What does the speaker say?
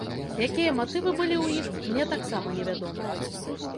Якія матывы былі ў іх, мне таксама невядома.